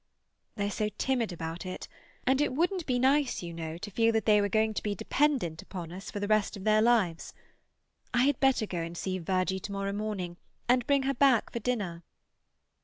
"They're so timid about it. And it wouldn't be nice, you know, to feel they were going to be dependent upon us for the rest of their lives. I had better go and see Virgie to morrow morning, and bring her back for dinner."